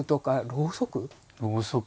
ろうそく？